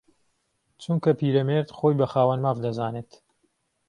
چونکە پیرەمێرد خۆی بە خاوەن ماف دەزانێت